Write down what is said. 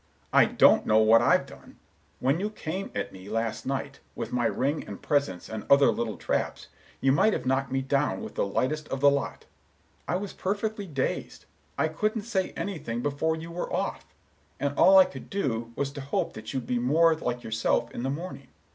I don't know what I've done. When you came at me, last night, with my ring and presents and other little traps, you might have knocked me down with the lightest of the lot. I was perfectly dazed; I couldn't say anything before you were off, and all I could do was to hope that you'd be more like yourself in the morning.